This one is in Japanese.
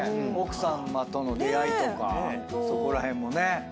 奥さまとの出会いとかそこら辺もね。